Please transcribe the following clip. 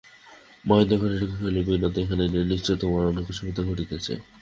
মহেন্দ্র ঘরে ঢুকিয়া কহিল, বিনোদ, এখানে নিশ্চয় তোমার অনেক অসুবিধা ঘটিতেছে।